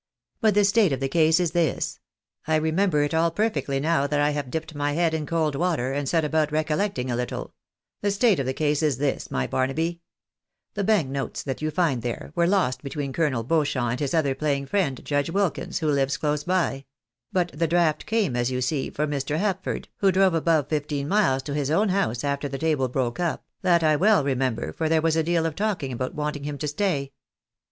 But the state of the case is this — I remember it all perfectly now that I have dipped my head in cold water, and set about recollecting a little — the state of the case is this, my Barnaby : the bank notes that you find there, were lost between Colonel Beauchamp and his other playing friend, Judge Wilkins, who lives close by ; but the draft came, as you see, from Mr. Hapford, who drove above fifteen miles to his own house after the table broke up ; that I well remember, for there was a deal of talking about wanting him to stay.